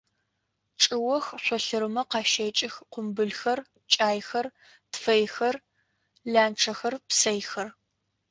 Чӏыох шъолъырымэ къащэкӏых къумбылхэр, кӏайхэр, тфэйхэр, ланчъэхэр, псэйхэр.